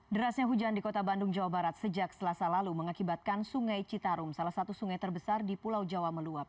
derasnya hujan di kota bandung jawa barat sejak selasa lalu mengakibatkan sungai citarum salah satu sungai terbesar di pulau jawa meluap